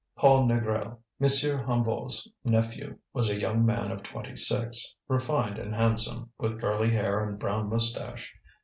Paul Négrel, M. Hennebeau's nephew, was a young man of twenty six, refined and handsome, with curly hair and brown moustache.